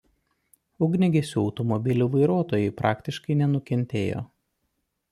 Ugniagesių automobilių vairuotojai praktiškai nenukentėjo.